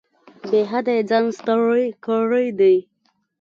بې حده یې ځان ستړی کړی دی.